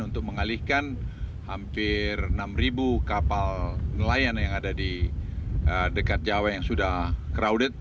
untuk mengalihkan hampir enam ribu kapal nelayan yang ada di dekat jawa yang sudah crowded